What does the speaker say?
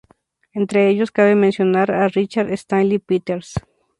Entre ellos cabe mencionar a Richard Stanley Peters.